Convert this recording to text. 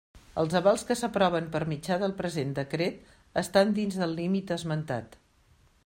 Els avals que s'aproven per mitjà del present decret estan dins del límit esmentat.